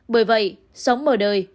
bởi vậy sống mở đời